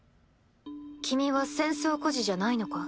君は戦争孤児じゃないのか？